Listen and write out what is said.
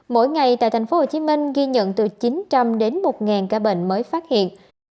mỗi ngày tại tp hcm ghi nhận từ chín trăm linh đến một ca bệnh mới phát hiện